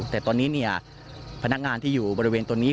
แต่ตอนนี้เนี่ยพนักงานที่อยู่บริเวณตรงนี้